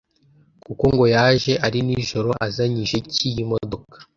Kuko ngo yaje ari nijoro azanye ijeki y’imodoka